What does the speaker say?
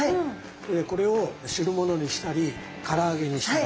これを汁物にしたりから揚げにしたり。